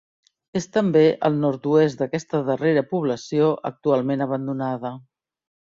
És també al nord-oest d'aquesta darrera població, actualment abandonada.